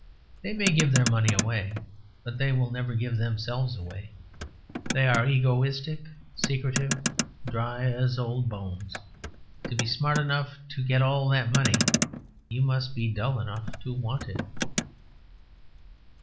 They may give their money away, but they will never give themselves away; they are egoistic, secretive, dry as old bones. To be smart enough to get all that money you must be dull enough to want it.